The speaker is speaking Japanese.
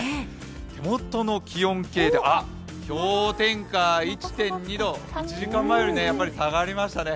手元の気温計で氷点下１．２度、１時間前よりやっぱり下がりましたね。